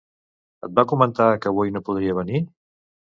Et va comentar que avui no podria venir?